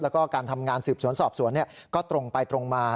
แล้วก็การทำงานสืบสวนสอบสวนก็ตรงไปตรงมา